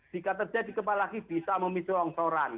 jika terjadi gempa lagi bisa memicu longsoran